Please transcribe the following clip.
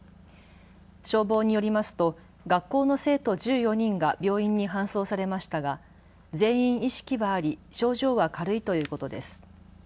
消防によりますと学校の生徒１４人が病院に搬送されましたが全員意識はあり症状は軽いということです。